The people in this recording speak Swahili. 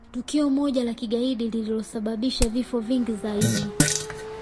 tukio moja la kigaidi lililosababisha vifo vingi zaidi